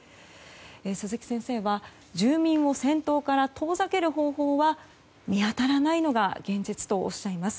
鈴木先生は住民を戦闘から遠ざける方法は見当たらないのが現実とおっしゃいます。